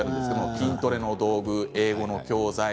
筋トレの道具、英語の教材。